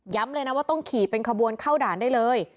เลยนะว่าต้องขี่เป็นขบวนเข้าด่านได้เลย